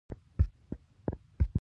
منی د افغانستان د کلتوري میراث برخه ده.